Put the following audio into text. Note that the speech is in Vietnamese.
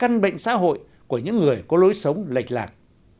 cũng như là một căn bệnh xã hội của những người có lối sống lệch lạc